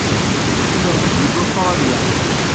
Ssurrten-t-id deg Ustṛalya.